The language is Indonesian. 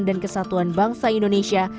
dan kesatuan bangsa indonesia